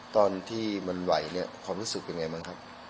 ตอนที่มันไหวเนี่ยความรู้สึกเป็นไงบ้างครับ